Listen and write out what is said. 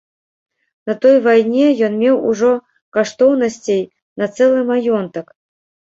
На той вайне ён меў ужо каштоўнасцей на цэлы маёнтак.